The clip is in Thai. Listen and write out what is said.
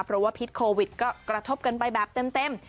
เพราะว่าพิษโควิดก็กระทบกันไปแบบเต็ม